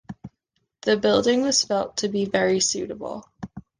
The building was felt to be very suitable.